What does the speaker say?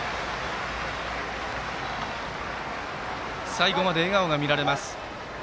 最後まで笑顔が見られます。